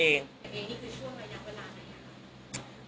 เองนี่คือช่วงระยะเวลาไหนครับ